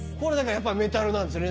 やっぱりメタルなんですよね